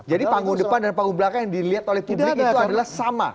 jadi panggung depan dan panggung belakang yang dilihat oleh publik itu adalah sama